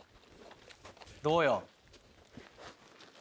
どうよ？